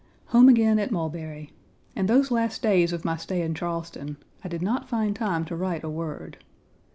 Home again at Mulberry. In those last days of my stay in Charleston I did not find time to write a word.